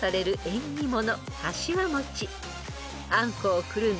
［あんこをくるんだ